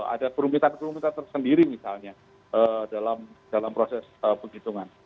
ada perumitan perumitan tersendiri misalnya dalam proses penghitungan